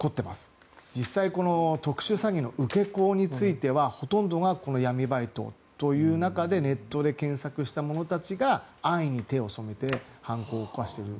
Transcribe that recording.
実際特殊詐欺の受け子についてはほとんどが闇バイトという中でネットで検索した者たちが安易に手を染めて犯行を犯している。